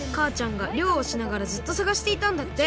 がりょうをしながらずっとさがしていたんだって。